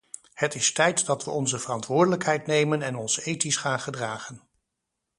Het is tijd dat we onze verantwoordelijkheid nemen en ons ethisch gaan gedragen.